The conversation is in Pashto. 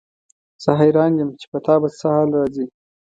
زه حیران یم چې په تا به څه حال راځي.